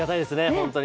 本当に。